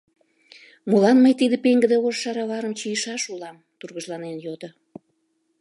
— Молан мый тиде пеҥгыде ош шароварым чийышаш улам? — тургыжланен йодо.